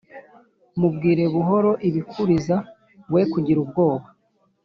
Mubwire buhoro ibikuriza we kugira ubwoba